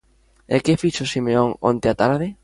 E que fixo Simeone onte á tarde?